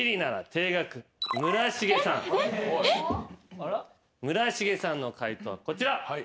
村重さんの解答こちら。